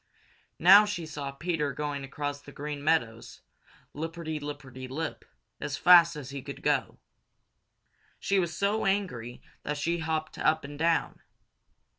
Now she saw Peter going across the Green Meadows, lipperty lipperty lip, as fast as he could go. She was so angry that she hopped up and down.